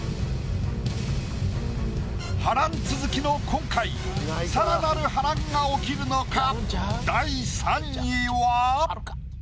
波乱続きの今回さらなる波乱が起きるのか？